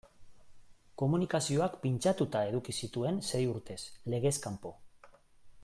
Komunikazioak pintxatuta eduki zituen sei urtez, legez kanpo.